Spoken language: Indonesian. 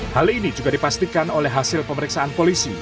hal ini juga dipastikan oleh hasil pemeriksaan polisi